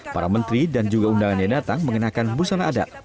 para menteri dan juga undangannya datang mengenakan busana adat